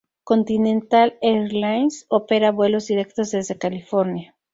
Continental Airlines opera vuelos directos desde California.